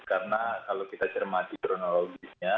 karena kalau kita cermati kronologisnya